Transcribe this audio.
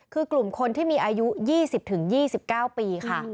คือกลุ่มคนที่มีอายุ๒๐๒๙ปีค่ะ